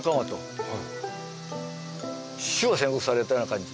死を宣告されたような感じ。